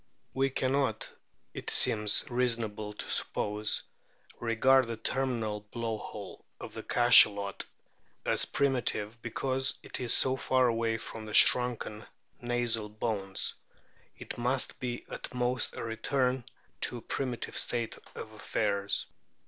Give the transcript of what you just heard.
We cannot, it seems reasonable to suppose, regard the terminal blow hole of the Cachalot as primitive because it is so far away from the shrunken nasal bones ; it must be at most a return to a primitive state of affairs.